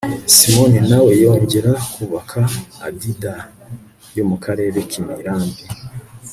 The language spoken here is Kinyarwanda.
simoni na we yongera kubaka adida yo mu karere k'imirambi